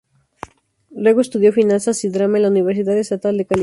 Luego estudió finanzas y drama en la Universidad Estatal de California.